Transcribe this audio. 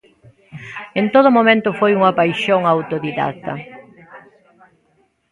En todo momento foi unha paixón autodidacta.